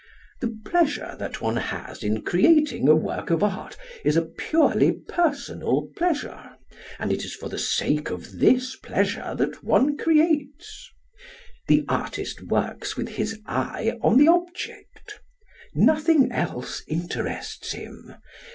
The pleasure that one has in creating a work of art is a purely personal pleasure, and it is for the sake of this pleasure that one creates. The artist works with his eye on the object. Nothing else interests him.